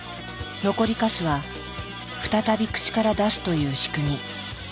残りカスは再び口から出すという仕組み。